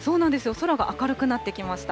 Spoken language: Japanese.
空が明るくなってきました。